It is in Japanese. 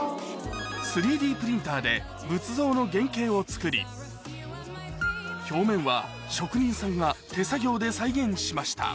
で仏像の原型を作り表面は職人さんが手作業で再現しました